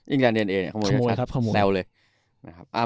อิงแรนด์ดีเอเนี่ยขโมยนฟ์ซักขโมยซัดแทนเลยนะครับอ่า